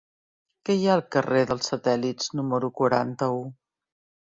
Què hi ha al carrer dels Satèl·lits número quaranta-u?